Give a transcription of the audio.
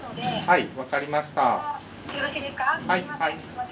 はい。